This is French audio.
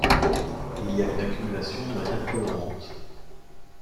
Il y a une accumulation de matière colorante.